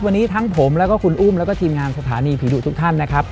วันนี้ทั้งผมแล้วก็คุณอุ้มแล้วก็ทีมงานสถานีผีดุทุกท่านนะครับ